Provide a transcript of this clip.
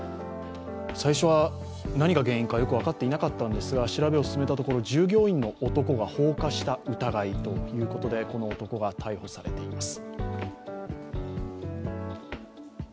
最初は、何が原因かよく分かっていなかったんですが、従業員の男が放火した疑いということでこの男が逮捕されています。